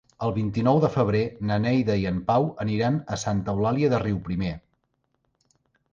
El vint-i-nou de febrer na Neida i en Pau aniran a Santa Eulàlia de Riuprimer.